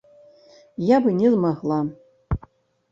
Я бы не змагла.